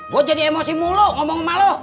gue jadi emosi mulu ngomong sama lu